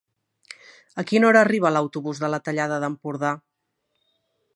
A quina hora arriba l'autobús de la Tallada d'Empordà?